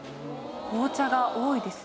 紅茶が多いですね。